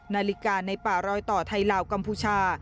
นาฬิกาในป่ารอยต่อไทยลาวกัมพูชา